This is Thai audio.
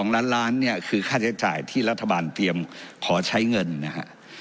๒ล้านล้านเนี่ยคือค่าใช้จ่ายที่รัฐบาลเตรียมขอใช้เงินนะฮะ